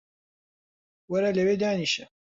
وەرە لەوێ دانیشە